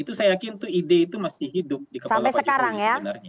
itu saya yakin itu ide itu masih hidup di kepala pak jokowi sebenarnya